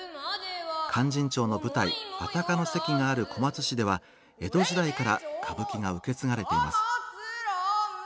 勧進帳の舞台「安宅の関」がある小松市では江戸時代から歌舞伎が受け継がれています。